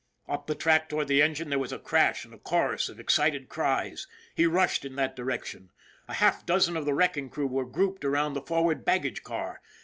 Up the track toward the engine there was a crash and a chorus of excited cries. He rushed in that direc tion. A half dozen of the wrecking crew were grouped around the forward baggage car.